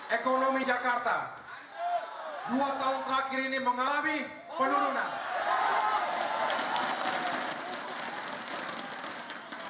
ekonomi jakarta dua tahun terakhir ini mengalami penurunan